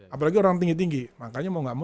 apalagi orang tinggi tinggi makanya mau gak mau